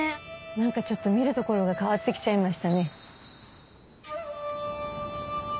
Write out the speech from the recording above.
何かちょっと見る所が変わってきちゃいましたね。